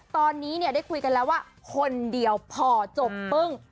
ตอนนี้เนี่ยได้คุยกันแล้วว่าคนเดียวพอจบปึ้ง